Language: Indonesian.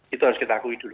itu harus kita akui dulu